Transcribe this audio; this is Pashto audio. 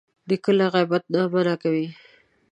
نیکه له غیبت نه منع کوي.